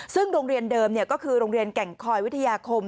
ซึ่งโรงเรียนเดิมก็คือโรงเรียนแก่งคอยวิทยาคม